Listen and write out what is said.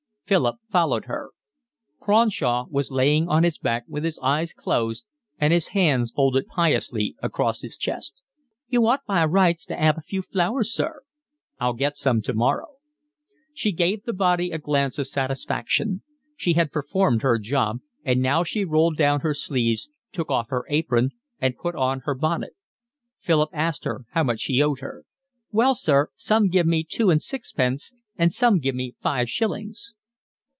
Philip followed her. Cronshaw was lying on his back, with his eyes closed and his hands folded piously across his chest. "You ought by rights to 'ave a few flowers, sir." "I'll get some tomorrow." She gave the body a glance of satisfaction. She had performed her job, and now she rolled down her sleeves, took off her apron, and put on her bonnet. Philip asked her how much he owed her. "Well, sir, some give me two and sixpence and some give me five shillings."